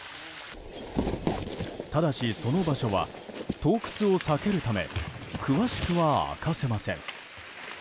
ただし、その場所は盗掘を避けるため詳しくは明かせません。